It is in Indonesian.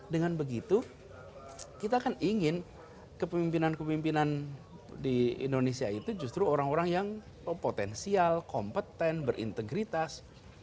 dengan begitu kita kan ingin kepemimpinan kepemimpinan di indonesia itu justru orang orang yang potensial kompeten berintegritas